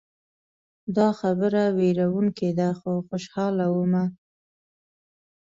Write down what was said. دا خبره ویروونکې ده خو خوشحاله ومه.